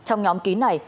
trong nhóm kín này